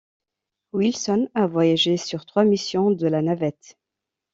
Wilson a voyagé sur trois missions de la navette.